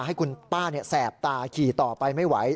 ให้คุณป้าแสบตาขี่ต่อไปไม่ไหว